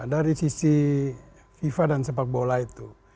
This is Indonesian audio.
dari sisi fifa dan sepak bola itu